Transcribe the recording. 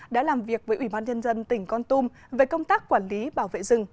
đã làm việc với ủy ban nhân dân tỉnh con tum về công tác quản lý bảo vệ rừng